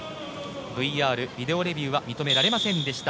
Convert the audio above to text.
ＶＲ・ビデオレビューは認められませんでした。